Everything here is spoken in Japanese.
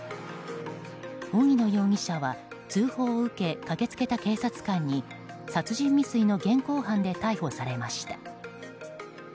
荻野容疑者は、通報を受け駆け付けた警察官に殺人未遂の現行犯で逮捕されました。